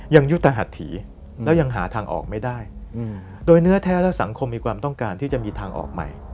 ยุทธหัสถีแล้วยังหาทางออกไม่ได้โดยเนื้อแท้และสังคมมีความต้องการที่จะมีทางออกใหม่